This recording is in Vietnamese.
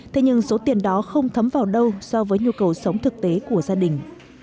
thế nhưng số tiền đó không thấm vào đâu so với nhu cầu sống thực tế của gia đình